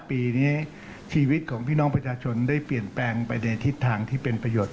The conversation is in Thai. ปีนี้ชีวิตของพี่น้องประชาชนได้เปลี่ยนแปลงไปในทิศทางที่เป็นประโยชน์